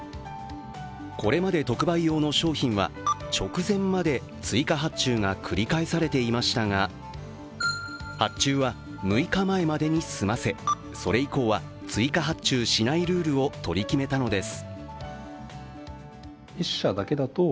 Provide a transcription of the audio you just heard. これまで特売用の商品は直前まで追加発注が繰り返されていましたが発注は６日前までに済ませそれ以降は追加発注しないルールを取り決めたのです。